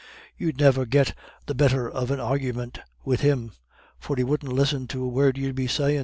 You'd niver get the better of an argufyment wid him, for he wouldn't listen to a word you'd be sayin'.